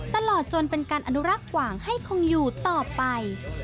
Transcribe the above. ตลอดจนเป็นการอนุรักษ์กว่างให้คงอยู่ต่อไป